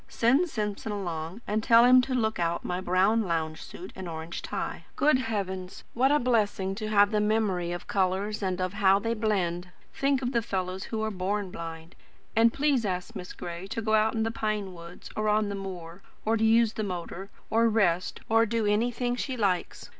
Send Simpson along; and tell him to look out my brown lounge suit and orange tie. Good heavens! what a blessing to have the MEMORY of colours and of how they blend! Think of the fellows who are BORN blind. And please ask Miss Gray to go out in the pine wood, or on the moor, or use the motor, or rest, or do anything she likes.